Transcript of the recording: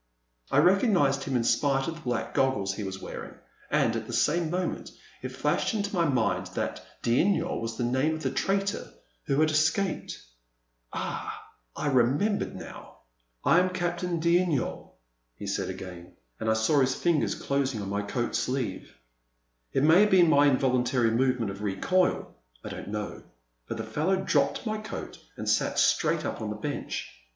I recognized him in spite of the black goggles he was wearing, and, at the same moment, it flashed into my mind that d*Yniol was the name of the traitor who had escaped. Ah, I remem bered now ! 330 A Pleasant Evening. *' I am Captain d'Yniol," he said again, and I saw his fingers closing on my coat sleeve. It may have been my involuntary movement of recoil, — I don*t know, — ^but the fellow dropped my coat and sat straight up on the bench.